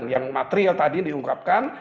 yang material tadi diungkapkan